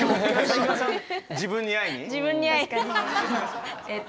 自分に会い。